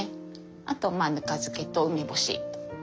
あとまあぬか漬けと梅干し。